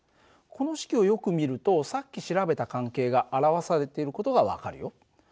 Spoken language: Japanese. この式をよく見るとさっき調べた関係が表されている事が分かるよ。